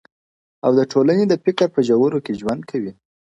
او د ټولني د فکر په ژورو کي ژوند کوي,